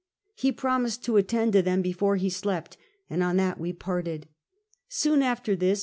He promised to attend to them before he slept, and on that we parted. Soon after this.